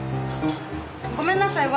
ごめんなさい。